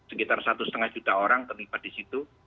sekitar satu lima juta orang terlibat di situ